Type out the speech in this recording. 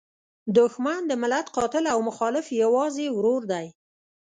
دوښمن د ملت قاتل او مخالف یوازې ورور دی.